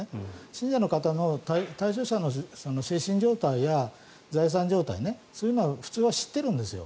信者の方の、対象者の精神状態や財産状態そういうのは普通は知ってるんですよ。